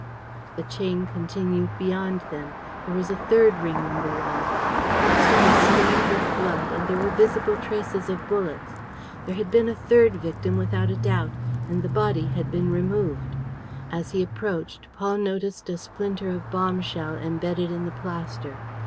The chain continued beyond them. There was a third ring in the wall. The plaster was stained with blood and there were visible traces of bullets. There had been a third victim, without a doubt, and the body had been removed. As he approached, Paul noticed a splinter of bomb shell embedded in the plaster.